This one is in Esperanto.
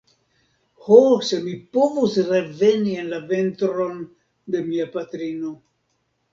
Ho, se mi povus reveni en la ventron de mia patrino!